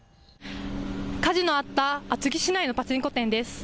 火事のあった厚木市内のパチンコ店です。